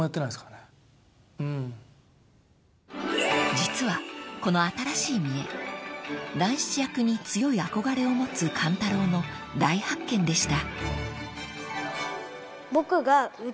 ［実はこの新しい見え団七役に強い憧れを持つ勘太郎の大発見でした］